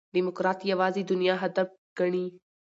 ډيموکراټ یوازي دنیا هدف ګڼي.